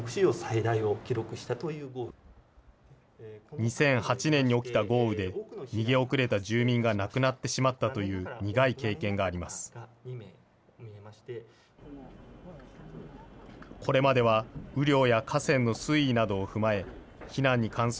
２００８年に起きた豪雨で、逃げ遅れた住民が亡くなってしまったという苦い経験があります。